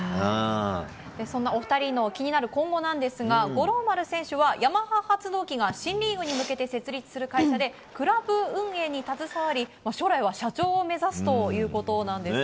そんなお二人の気になる今後なんですが五郎丸選手はヤマハ発動機が新リーグに向けて設立する会社でクラブ運営に携わり将来は社長を目指すということです。